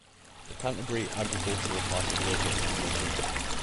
The Canterbury Agricultural Park is located in Wigram.